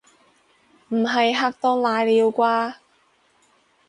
唔使嚇到瀨尿啩